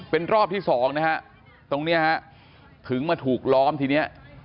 เป็นรอบที่สองนะฮะตรงเนี้ยฮะถึงมาถูกล้อมทีเนี้ย